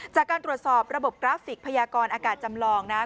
จากการตรวจสอบระบบกราฟิกพยากรอากาศจำลองนะครับ